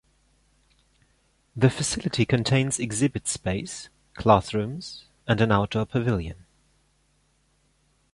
The facility contains exhibit space, classrooms, and an outdoor pavilion.